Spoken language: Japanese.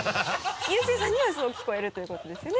ゆうせいさんにはそう聞こえるということですよね？